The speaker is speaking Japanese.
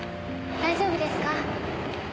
大丈夫です。